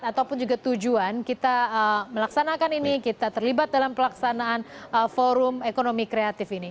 ataupun juga tujuan kita melaksanakan ini kita terlibat dalam pelaksanaan forum ekonomi kreatif ini